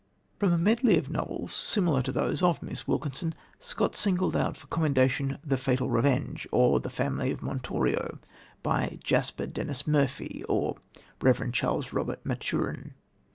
From a medley of novels, similar to those of Miss Wilkinson, Scott singled out for commendation The Fatal Revenge or The Family of Montorio, by "Jasper Denis Murphy," or the Rev. Charles Robert Maturin.